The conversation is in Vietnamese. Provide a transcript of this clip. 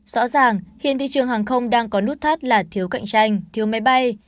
rõ ràng hiện thị trường hàng không đang có nút thắt là thiếu cạnh tranh thiếu máy bay